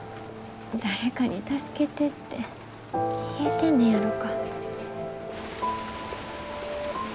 誰かに助けてって言えてんねやろか。